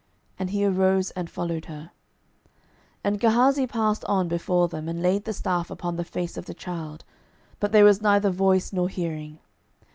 And he arose, and followed her. 12:004:031 And Gehazi passed on before them, and laid the staff upon the face of the child; but there was neither voice, nor hearing.